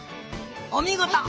おみごと！